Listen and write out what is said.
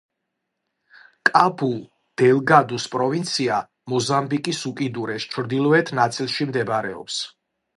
კაბუ-დელგადუს პროვინცია მოზამბიკის უკიდურეს ჩრდილოეთ ნაწილში მდებარეობს.